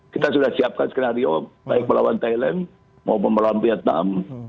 kita sudah siapkan skenario baik melawan thailand maupun melawan vietnam